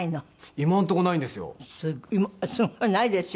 今のとこないんですよ。